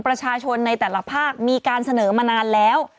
ประชาชนในแต่ละภาคมีการเสนอมานานแล้ว